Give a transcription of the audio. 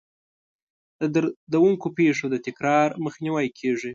د دردونکو پېښو د تکرار مخنیوی کیږي.